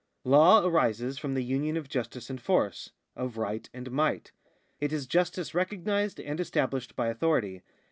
Law arises from the union of justice and force, of right and might. It is justice recognised and established by authority.